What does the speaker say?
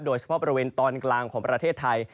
โดยเฉพาะบริเวณตอนกลางของประเทศไทย